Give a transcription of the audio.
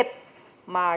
mà chúng ta đã đề xuất